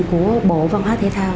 của bộ văn hóa thể thao